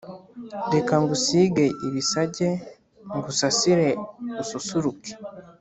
Reka ngusige ibisage Ngusasire ususuruke